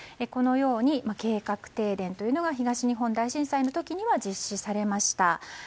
このように計画停電というのが東日本大震災の時には実施されました。